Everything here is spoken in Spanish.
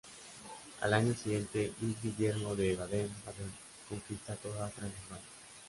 Al año siguiente Luis Guillermo de Baden-Baden conquista toda Transilvania.